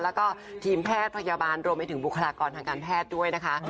แล้วก็ทีมแพทย์พยาบาลรวมไปถึงบุคลากรทางการแพทย์ด้วยนะคะ